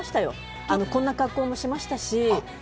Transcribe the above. いろんな格好もしましたし。